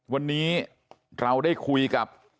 วันนี้เราได้คุยกับ